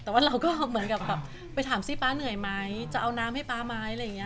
แต่เราก็เหมือนกับไปถามสิป๊าเหนื่อยไหมจะเอาน้ำให้ป๊าไหม